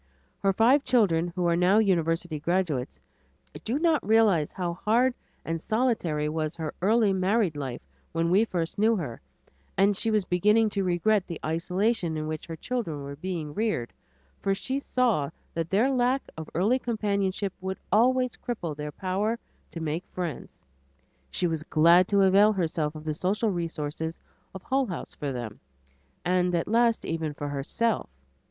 Her five children, who are now university graduates, do not realize how hard and solitary was her early married life when we first knew her, and she was beginning to regret the isolation in which her children were being reared, for she saw that their lack of early companionship would always cripple their power to make friends. She was glad to avail herself of the social resources of Hull House for them, and at last even for herself.